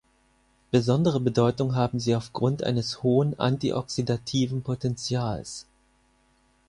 Besondere Bedeutung haben sie aufgrund eines hohen antioxidativen Potentials.